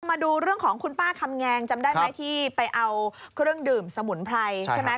มาดูเรื่องของคุณป้าคำแงงจำได้ไหมที่ไปเอาเครื่องดื่มสมุนไพรใช่ไหม